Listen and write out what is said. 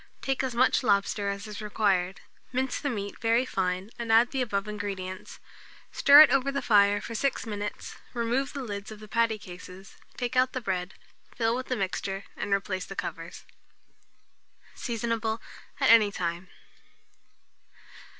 Take as much lobster as is required, mince the meat very fine, and add the above ingredients; stir it over the fire for 6 minutes; remove the lids of the patty cases, take out the bread, fill with the mixture, and replace the covers. Seasonable at any time.